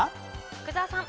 福澤さん。